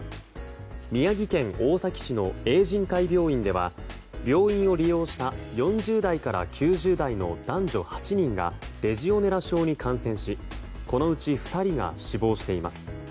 宮城県大崎市の永仁会病院では病院を利用した４０代から９０代の男女８人がレジオネラ症に感染しこのうち２人が死亡しています。